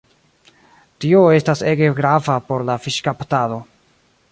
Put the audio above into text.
Tio estas ege grava por la fiŝkaptado.